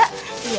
kita tamit dulu